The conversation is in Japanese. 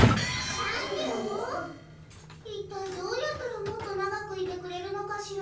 いったいどうやったらもっと長くいてくれるのかしら。